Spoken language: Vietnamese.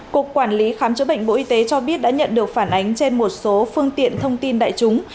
cục quản lý khám chữa bệnh bộ y tế cho biết đã nhận được phản ánh trên một số phương tiện thông tin đại chúng